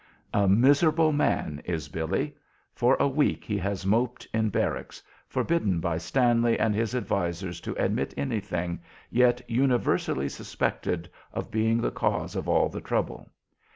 A miserable man is Billy! For a week he has moped in barracks, forbidden by Stanley and his advisers to admit anything, yet universally suspected of being the cause of all the trouble.